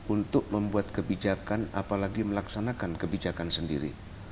untuk membuat kebijakan apalagi melaksanakan kebijakan sendiri